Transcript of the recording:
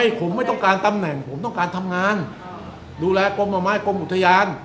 ผมไม่ต้องการตำแหน่งผมต้องการทำงานดูแลกรมห่อไม้กรมอุทยาน